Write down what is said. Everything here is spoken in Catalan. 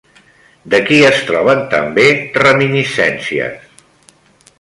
De qui es troben també reminiscències?